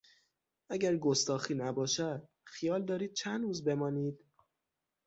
اگر گستاخی نباشد -- خیال دارید چند روز بمانید؟